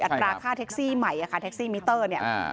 อัตราค่าเท็กซี่ใหม่ค่าเท็กซี่มิเตอร์